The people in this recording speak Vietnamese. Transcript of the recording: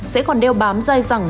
sẽ còn đeo bám dài rằng